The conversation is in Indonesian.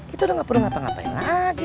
itu udah enggak perlu ngapa ngapain lagi